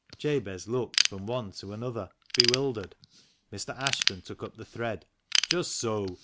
Jabez looked from one to another, bewildered. Mr. Ashton took up the thread —" Just so